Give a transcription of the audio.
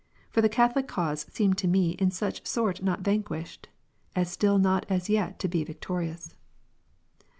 For the Catholic cause seemed to me in such sort not vanquished, as still not as yet to be victorious.